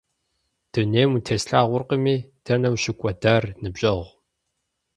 Дунейм утеслъагъуэркъыми, дэнэ ущыкӀуэдар, ныбжьэгъу?